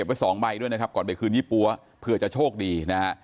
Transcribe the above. ไว้สองใบด้วยนะครับก่อนไปคืนยี่ปั๊วเผื่อจะโชคดีนะฮะ